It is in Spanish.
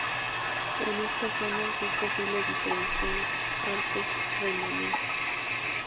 En estas zonas es posible diferenciar arcos remanentes.